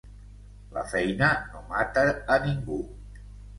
La feina no mata a ningú.